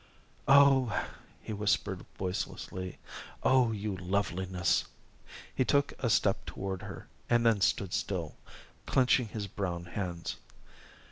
"Oh," he whispered voicelessly. "Oh, you Loveliness!" He took a step toward her, and then stood still, clinching his brown hands.